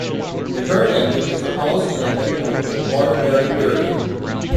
The current epoch is the Holocene Epoch of the Quaternary Period.